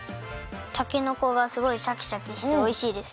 たけのこがすごいシャキシャキしておいしいです。